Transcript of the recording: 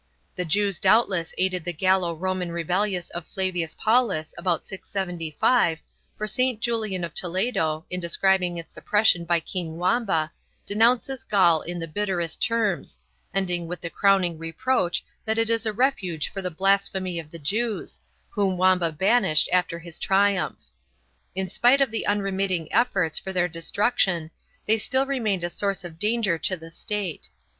The Jews doubtless aided the Gallo Roman rebellion of Flavius Paulus about 675, for St. Julian of Toledo, in describing its suppression by King Wamba, denounces Gaul in the bitterest terms, ending with the crowning reproach that it is a refuge for the blasphemy of the Jews, whom Wamba banished after his triumph.1 In spite of the unremitting efforts for their destruction, they still re mained a source of danger to the State.